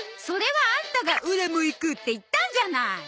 それはアンタが「オラも行く」って言ったんじゃない。